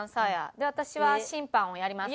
で私は審判をやります。